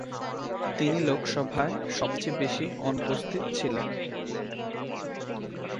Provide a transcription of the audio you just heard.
তিনি লোকসভায় সবচেয়ে বেশি অনুপস্থিত ছিলেন।